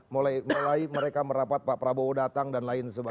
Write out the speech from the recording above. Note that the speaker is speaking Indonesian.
mulai mereka merapat pak prabowo datang dan lain sebagainya